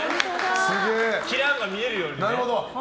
キラーンが見えるようにね。